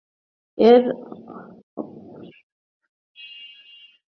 এই অকর্মণ্য লিলিপুটটা জানে।